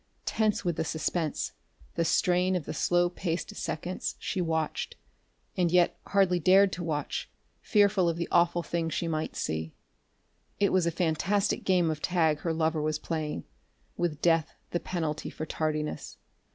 Tense with the suspense, the strain of the slow paced seconds, she watched and yet hardly dared to watch, fearful of the awful thing she might see. It was a fantastic game of tag her lover was playing, with death the penalty for tardiness.